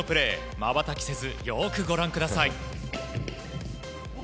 まばたきせずよくご覧ください。